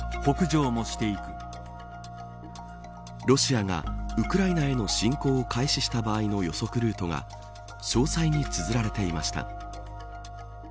ロシアがウクライナへの侵攻を開始した場合の予測ルートが詳細につづられていました。